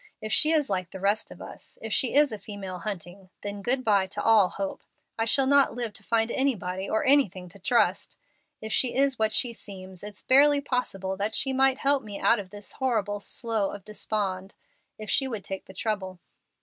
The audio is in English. If she is like the rest of us if she is a female Hunting then good by to all hope. I shall not live to find anybody or anything to trust. If she is what she seems, it's barely possible that she might help me out of this horrible 'slough of despond,' if she would take the trouble.